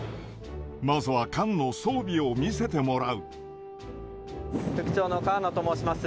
まずは艦の装備を見せてもら副長の河埜と申します。